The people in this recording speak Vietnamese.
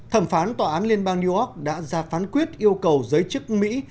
thẩm phán tòa án liên bang new york đã ra phán quyết yêu cầu giới chức mỹ